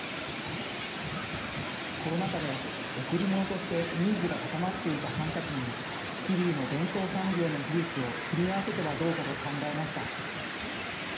コロナ禍で贈り物としてニーズが高まっていたハンカチに、桐生の伝統産業の技術を組み合わせてはどうかと考えました。